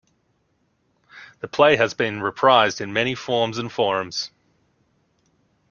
The play has been reprised in many forms and forums.